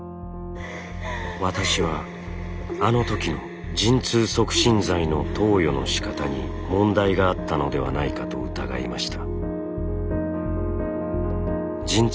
私はあのときの陣痛促進剤の投与のしかたに問題があったのではないかと疑いました。